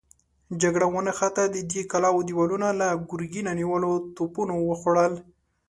جګړه ونښته، د دې کلاوو دېوالونه له ګرګينه نيولو توپونو وخوړل.